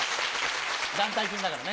団体戦だからね。